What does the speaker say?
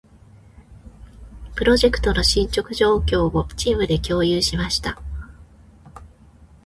プロジェクトの進捗状況を、チームで共有しました。